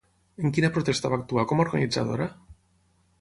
En quina protesta va actuar com a organitzadora?